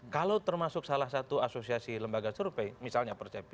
kalau termasuk salah satu asosiasi lembaga survey